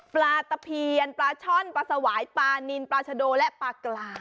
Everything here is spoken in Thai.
ปลาตะเพียนปลาช่อนปลาสวายปลานินปลาชโดและปลากลา